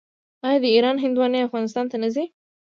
آیا د ایران هندواڼې افغانستان ته نه راځي؟